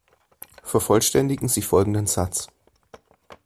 Vervollständigen Sie folgenden Satz.